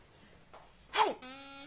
はい！